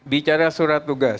bicara surat tugas